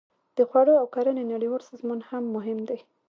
د خوړو او کرنې نړیوال سازمان هم مهم دی